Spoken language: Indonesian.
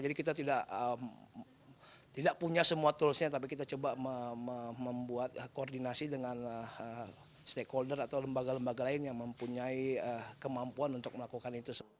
jadi kita tidak punya semua toolsnya tapi kita coba membuat koordinasi dengan stakeholder atau lembaga lembaga lain yang mempunyai kemampuan untuk melakukan itu